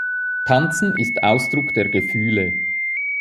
Tanzen ist Ausdruck der Gefühle.